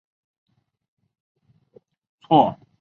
错愕的看着打开的门